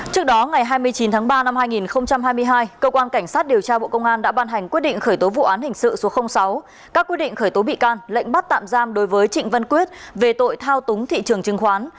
trước đó ngày hai mươi chín tháng ba năm hai nghìn hai mươi hai cơ quan cảnh sát điều tra bộ công an đã ban hành quyết định khởi tố vụ án hình sự số sáu các quyết định khởi tố bị can lệnh bắt tạm giam đối với trịnh văn quyết về tội thao túng thị trường chứng khoán